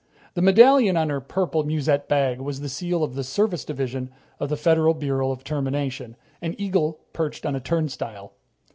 The medallion on her purple musette bag was the seal of the Service Division of the Federal Bureau of Termination, an eagle perched on a turnstile.